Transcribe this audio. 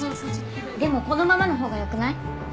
でもこのままのほうがよくない？